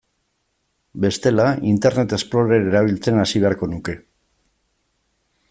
Bestela, Internet Explorer erabiltzen hasi beharko nuke.